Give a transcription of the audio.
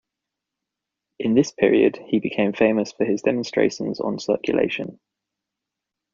In this period he became famous for his demonstrations on circulation.